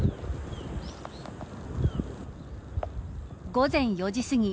午前４時すぎ